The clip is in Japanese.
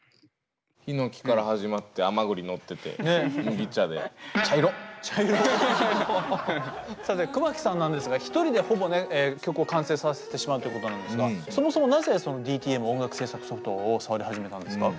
ヒノキから始まって甘栗のってて麦茶でさて熊木さんなんですが一人でほぼ曲を完成させてしまうということなんですがそもそもなぜＤＴＭ音楽制作ソフトを触り始めたんですか？